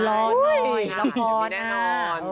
ร้อนละครค่ะ